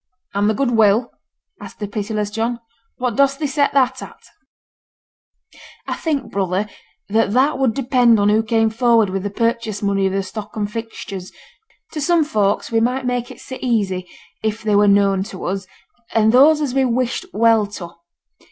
'And the goodwill?' asked the pitiless John. 'What dost thee set that at?' 'I think, brother, that that would depend on who came forward with the purchase money of the stock and fixtures. To some folks we might make it sit easy, if they were known to us, and those as we wished well to.